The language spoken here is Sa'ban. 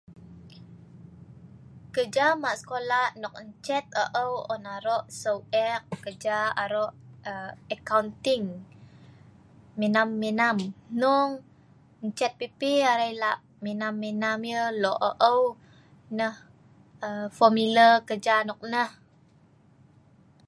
Keja ma sekola nok encet eu'-eu' on aro' seu' ek keja aro' aa akonting, minam-minam, hnong encet pi-pi arai lah' minam-minam yah li eu'-eu' nah formula keja noknah.